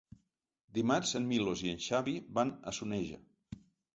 Dimarts en Milos i en Xavi van a Soneja.